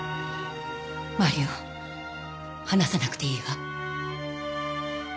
マリオ話さなくていいわ。